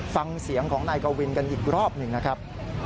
ฟังเสียงของนายกวินกันอีกรอบหนึ่งนะครับ